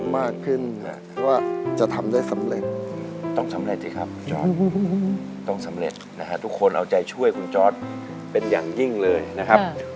มากขึ้นว่าจะทำได้สำเร็จต้องสำเร็จสิครับคุณจอร์ดต้องสำเร็จนะฮะทุกคนเอาใจช่วยคุณจอร์ดเป็นอย่างยิ่งเลยนะครับ